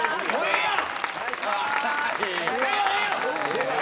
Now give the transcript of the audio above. ええやん！